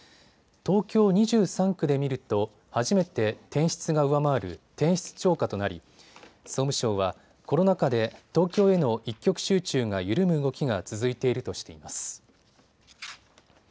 東京２３区で見ると初めて転出が上回る転出超過となり、総務省はコロナ禍で東京への一極集中が緩む動きが続いているとしています。